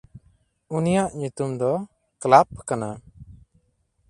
ᱩᱱᱤᱭᱟᱜ ᱧᱩᱛᱩᱢ ᱫᱚ ᱠᱞᱟᱯ ᱠᱟᱱᱟ᱾